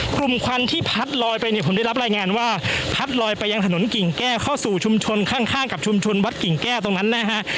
ควันที่พัดลอยไปเนี่ยผมได้รับรายงานว่าพัดลอยไปยังถนนกิ่งแก้วเข้าสู่ชุมชนข้างกับชุมชนวัดกิ่งแก้วตรงนั้นนะฮะ